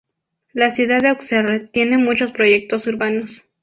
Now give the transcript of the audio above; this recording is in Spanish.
La ciudad de Auxerre tiene muchos proyectos urbanos.